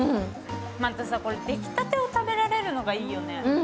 またさ、これ出来立てを食べられるのがいいよね。